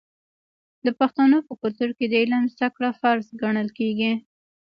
د پښتنو په کلتور کې د علم زده کړه فرض ګڼل کیږي.